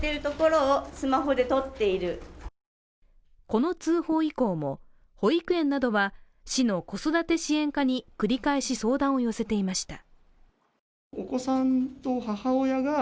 この通報以降も保育園などは市の子育て支援課に繰り返し相談を寄せていました。